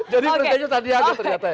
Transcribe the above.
jadi presidennya sandiaga ternyata ya